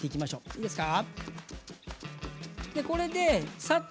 いいですか。